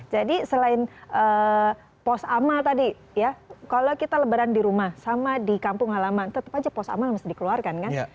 jadi selain pos amal tadi ya kalau kita lebaran di rumah sama di kampung halaman tetep aja pos amal harus dikeluarkan kan